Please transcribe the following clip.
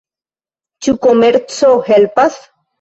Ĉu komerco helpas?